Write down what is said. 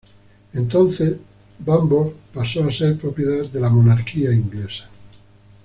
Entonces Bamburgh pasó a ser propiedad de la monarquía inglesa.